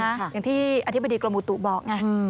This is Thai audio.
อย่างที่อธิบดีกรมอุตุบอกไง